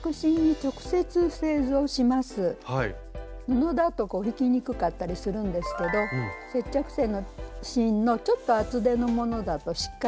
布だと引きにくかったりするんですけど接着芯のちょっと厚手のものだとしっかりしてるので描きやすいです。